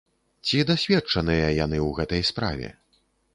Ці дасведчаныя яны ў гэтай справе?